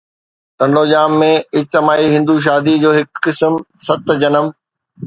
ٽنڊوڄام ۾ اجتماعي هندو شادي جو هڪ قسم، ست جنم